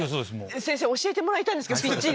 先生教えてもらいたいんですけどぴっちり。